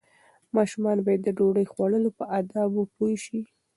ماشومان باید د ډوډۍ خوړلو په آدابو پوه شي.